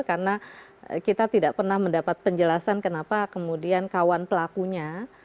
karena kita tidak pernah mendapat penjelasan kenapa kemudian kawan pelakunya